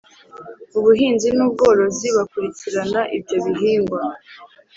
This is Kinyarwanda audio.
mu buhinzi n ubworozi bakurikirana ibyo bihingwa